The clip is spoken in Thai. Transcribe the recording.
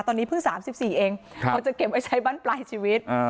ตอนนี้เพิ่ง๓๔เองเขาจะเก็บไว้ใช้บ้านปลายชีวิต